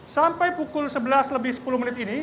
sampai pukul sebelas lebih sepuluh menit ini